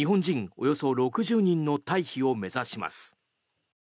およそ６０人の退避を目指します。